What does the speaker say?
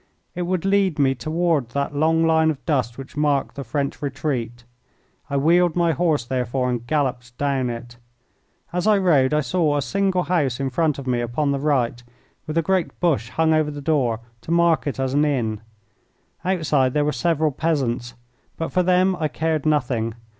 It would lead me toward that long line of dust which marked the French retreat. I wheeled my horse, therefore, and galloped down it. As I rode I saw a single house in front of me upon the right, with a great bush hung over the door to mark it as an inn. Outside there were several peasants, but for them I cared nothing.